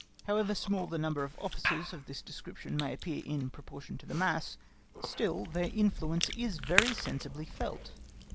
However small the number of officers of this description may appear in proportion to the mass, still their influence is very sensibly felt.